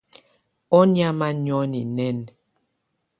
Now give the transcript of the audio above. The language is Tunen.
Ɔ́ nɛ̀ámɛ̀á niɔ́nɔ nɛɛnɛ.